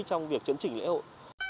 trong việc chấn chỉnh lễ hội